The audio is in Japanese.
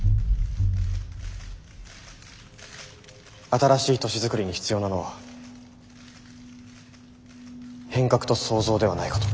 新しい都市づくりに必要なのは変革と創造ではないかと。